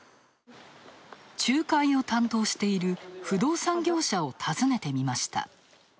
仲介を担当している不動産業者をたずねてみました。